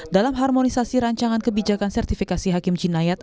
dalam harmonisasi rancangan kebijakan sertifikasi hakim jinayat